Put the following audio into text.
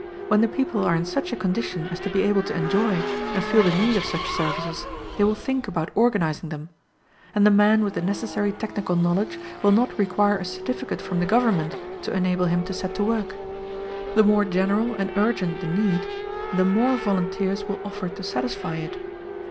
When the people are in such a condition as to be able to enjoy, and feel the need of such services, they will think about organizing them; and the man with the necessary technical knowledge will not require a certificate from the government to enable him to set to work. The more general and urgent the need, the more volunteers will offer to satisfy it.